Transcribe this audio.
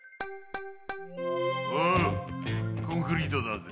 おうコンクリートだぜ。